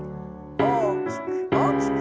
大きく大きく。